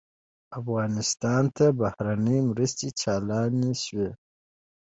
افغانستان ته بهرنۍ مرستې چالانې شوې.